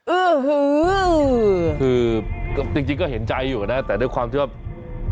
ื้อหือคือก็จริงก็เห็นใจอยู่นะแต่ด้วยความที่ว่า